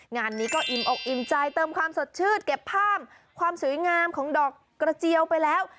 งานนี้ก็อิ่มอกอิ่มใจเติมความสดชื่นเก็บภาพความสวยงามของดอกกระเจียวไปแล้ว